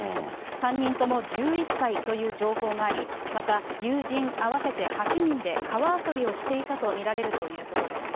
３人とも１１歳という情報があり、また、友人合わせて８人で川遊びをしていたと見られるということです。